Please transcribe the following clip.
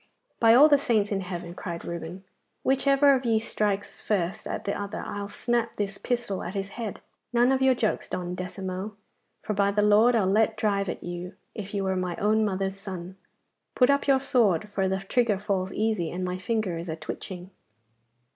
'By all the saints in heaven!' cried Reuben, 'which ever of ye strikes first at the other I'll snap this pistol at his head. None of your jokes, Don Decimo, for by the Lord I'll let drive at you if you were my own mother's son. Put up your sword, for the trigger falls easy, and my finger is a twitching.